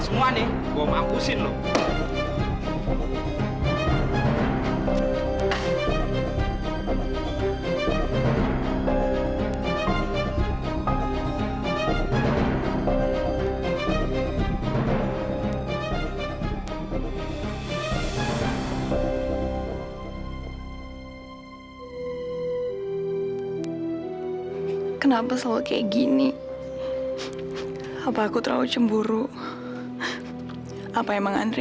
enggak usah kayak begini